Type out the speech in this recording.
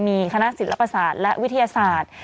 มีคณะศิลปศาสตร์และวิทยาศาสตร์